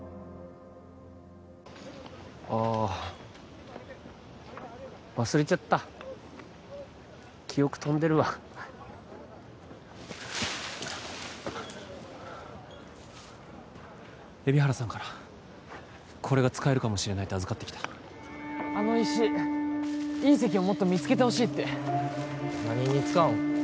ああ忘れちゃった記憶飛んでるわ海老原さんからこれが使えるかもしれないって預かってきたあの石隕石をもっと見つけてほしいって何に使うん？